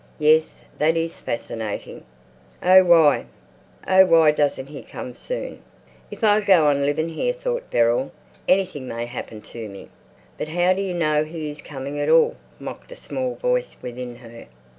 Yes, that is fascinating.... Oh why, oh why doesn't "he" come soon? If I go on living here, thought Beryl, anything may happen to me. "But how do you know he is coming at all?" mocked a small voice within her.